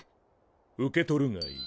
受け取るがいい。